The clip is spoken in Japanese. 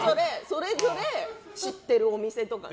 それぞれ知ってるお店とかね。